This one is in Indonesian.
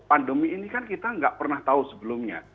pandemi ini kan kita nggak pernah tahu sebelumnya